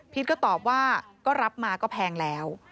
ก็ตอบว่าก็รับมาก็แพงแล้ว